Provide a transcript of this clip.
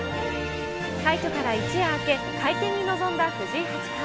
快挙から一夜明け、会見に臨んだ藤井八冠。